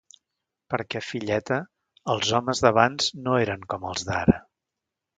Perquè, filleta, els homes d'abans no eren com els d'ara.